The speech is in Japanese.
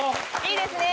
いいですね。